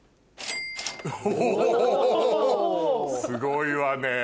すごいわねぇ。